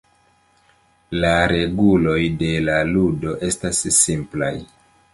La reguloj de la ludo estas simplaj.